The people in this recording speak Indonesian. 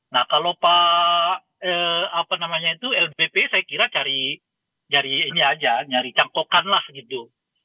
nah kalau pak lbp saya kira cari ini aja cari cangkokan lah gitu